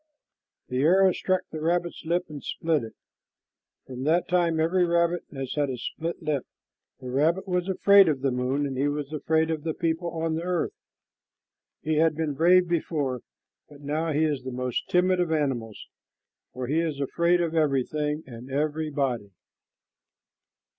The arrow struck the rabbit's lip and split it. From that time every rabbit has had a split lip. The rabbit was afraid of the moon, and he was afraid of the people on the earth. He had been brave before, but now he is the most timid of animals, for he is afraid of everything and everybody.